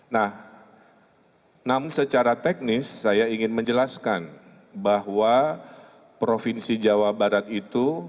nah namun secara teknis saya ingin menjelaskan bahwa provinsi jawa barat itu